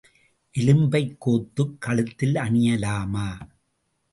எலும்பைக் கோத்துக் கழுத்தில் அணியலாமா?